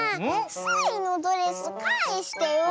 スイのドレスかえしてよ！